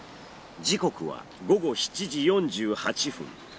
時刻は午後７時４８分。